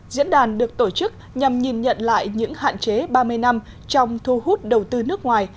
diễn đàn được tổ chức nhằm nhìn nhận lại những hạn chế ba mươi năm trong thu hút đầu tư nước ngoài